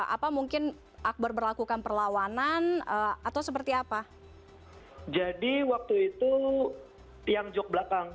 apa mungkin akbar berlakukan perlawanan atau seperti apa jadi waktu itu yang jok belakang